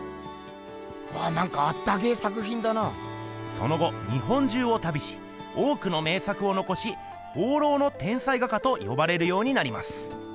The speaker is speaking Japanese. その後日本中を旅し多くの名作をのこしとよばれるようになります。